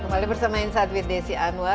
kembali bersama insight with desi anwar